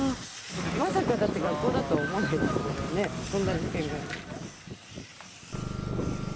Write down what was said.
まさかだって、学校だとは思わないですよね、こんな事件が。